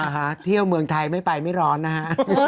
ฮะเที่ยวเมืองไทยไม่ไปไม่ร้อนนะฮะ